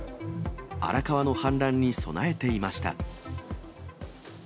荒川の氾濫に備えていました。